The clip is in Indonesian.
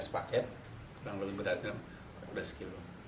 tujuh belas paket kurang lebih beratnya sekilo